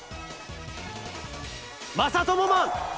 まさともマン！